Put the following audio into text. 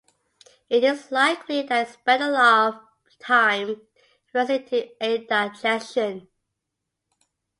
It is likely that it spent a lot of time resting to aid digestion.